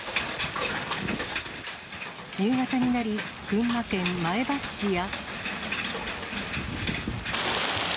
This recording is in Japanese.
夕方になり、群馬県前橋市や。